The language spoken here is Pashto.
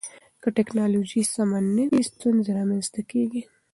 که ټکنالوژي سمه نه وي، ستونزې رامنځته کېږي.